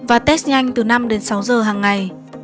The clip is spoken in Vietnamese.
và test nhanh từ năm đến sáu giờ hằng ngày